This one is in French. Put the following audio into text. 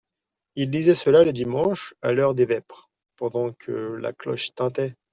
Ils lisaient cela le dimanche, à l'heure des vêpres, pendant que la cloche tintait.